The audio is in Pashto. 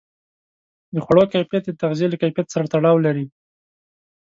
د خوړو کیفیت د تغذیې له کیفیت سره تړاو لري.